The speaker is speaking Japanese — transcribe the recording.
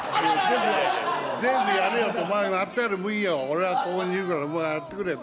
もういいよ、俺はここにいるから、お前やってくれって。